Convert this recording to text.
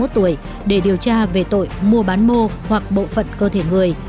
hai mươi một tuổi để điều tra về tội mua bán mô hoặc bộ phận cơ thể người